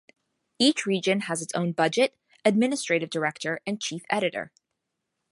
Each region has its own budget, administrative director and chief editor.